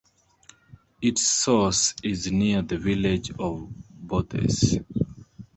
Its source is near the village of Bourthes.